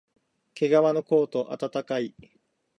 けがわのコート、あたたかい